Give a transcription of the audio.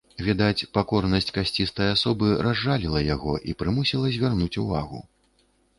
Відаць, пакорнасць касцістай асобы разжаліла яго і прымусіла звярнуць увагу.